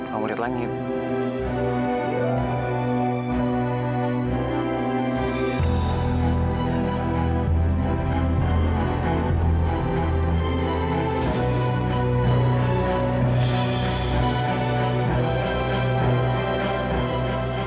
kamu tenang dulu